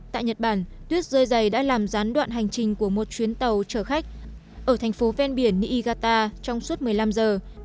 tại nhật bản tuyết rơi dày đã làm gián đoạn hành trình của một chuyến tàu chở khách ở thành phố ven biển nigata trong suốt một mươi năm giờ